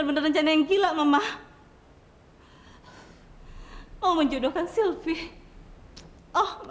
tidak ada yang bisa dikira